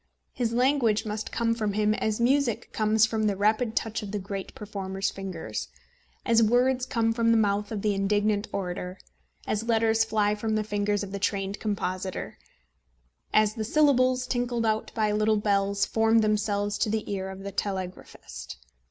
His language must come from him as music comes from the rapid touch of the great performer's fingers; as words come from the mouth of the indignant orator; as letters fly from the fingers of the trained compositor; as the syllables tinkled out by little bells form themselves to the ear of the telegraphist.